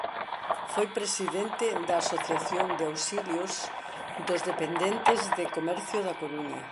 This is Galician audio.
Foi presidente da Asociación de Auxilios dos Dependentes de Comercio da Coruña.